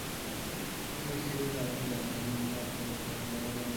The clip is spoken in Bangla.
আমি নিশ্চিত আপনি জানেন আপনার মেয়ে কেন এমন করছে।